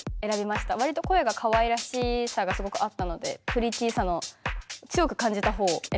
わりと声がかわいらしさがすごくあったのでプリティーさの強く感じたほうを選びました。